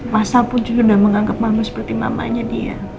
masa pun juga tidak menganggap mama seperti mamanya dia